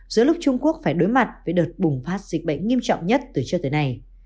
giữa lúc trung quốc phải đối mặt với đợt bùng phát dịch bệnh nghiêm trọng nhất từ trước tới nay